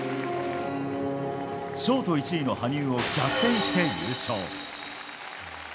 ショート１位の羽生を逆転して優勝。